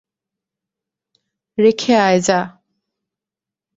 রেখে আই যা।